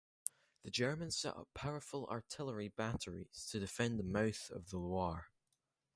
The Germans set up powerful artillery batteries to defend the mouth of the Loire.